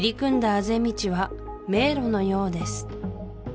あぜ道は迷路のようです